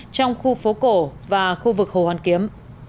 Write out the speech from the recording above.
trong khu phố cổ và khu vực hồ hoàn kiếm